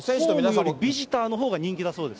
ホームよりビジターのほうが人気だそうです。